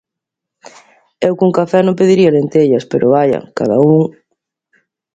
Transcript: Eu cun café non pediría lentellas, pero, vaia, cada un...